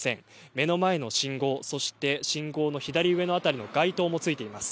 目の前の信号、そして信号の左上のあたりの街灯もついています。